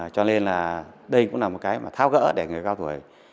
cho nên là đây cũng là một cái mà thao gỡ để người cao tuổi